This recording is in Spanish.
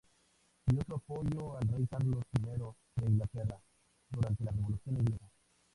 Dio su apoyo al rey Carlos I de Inglaterra durante la revolución Inglesa.